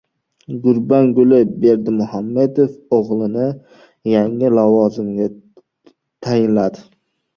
Gurbanguli Berdimuhammedov o‘g‘lini yangi lavozimga tayinladi